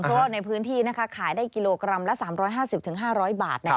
เพราะว่าในพื้นที่ขายได้กิโลกรัมละ๓๕๐๕๐๐บาท